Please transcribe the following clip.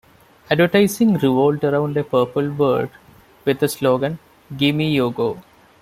Advertising revolved around a purple bird with the slogan "Gimme Yogo!".